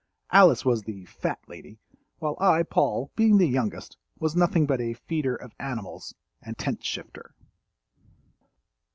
Alice was the "fat lady," while I, Paul, being the youngest, was nothing but a "feeder of animals" and tent shifter.